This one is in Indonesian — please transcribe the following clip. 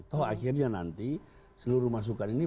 toh akhirnya nanti seluruh masukan ini